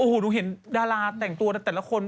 โอ้โหหนูเห็นดาราแต่งตัวแต่ละคน